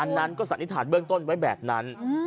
นั้นก็สันนิษฐานเบื้องต้นไว้แบบนั้น